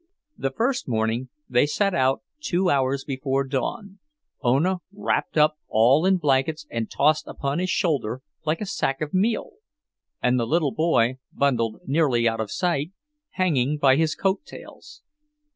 The first morning they set out two hours before dawn, Ona wrapped all in blankets and tossed upon his shoulder like a sack of meal, and the little boy, bundled nearly out of sight, hanging by his coat tails.